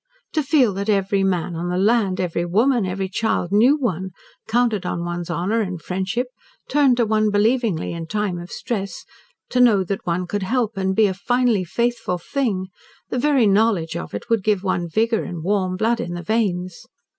To feel that every man on the land, every woman, every child knew one, counted on one's honour and friendship, turned to one believingly in time of stress, to know that one could help and be a finely faithful thing, the very knowledge of it would give one vigour and warm blood in the veins.